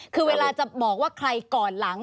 คือเวลาจะบอกว่าใครก่อนหลัง